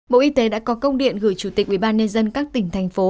bộ y tế đã có công điện gửi chủ tịch ubnd các tỉnh thành phố